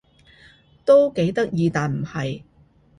都幾得意但唔係